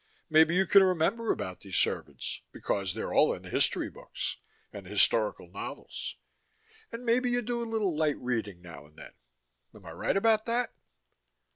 Maybe you can remember about those servants, because they're all in the history books, and the historical novels, and maybe you do a little light reading now and then, am I right about that?